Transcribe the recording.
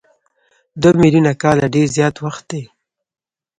دوه میلیونه کاله ډېر زیات وخت دی.